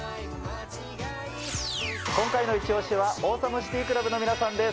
今回のイチオシはオーサムシティクラブの皆さんです。